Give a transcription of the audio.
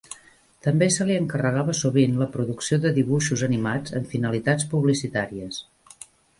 També se li encarregava sovint la producció de dibuixos animats amb finalitats publicitàries.